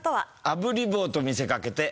あぶり棒と見せかけて。